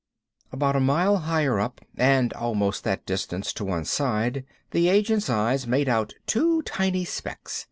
About a mile higher up, and almost that distance to one side, the agent's eyes made out two tiny specks.